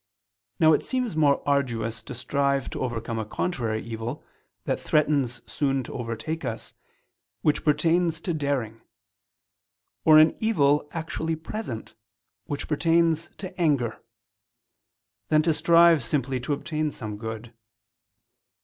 Now it seems more arduous to strive to overcome a contrary evil that threatens soon to overtake us, which pertains to daring; or an evil actually present, which pertains to anger; than to strive simply to obtain some good.